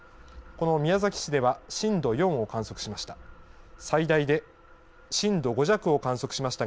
この宮崎市では、震度４を観測しました。